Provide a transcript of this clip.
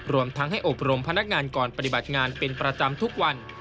รวมทั้งให้อบรมพนักงานก่อนปฏิบัติงานเป็นประจำทุกวัน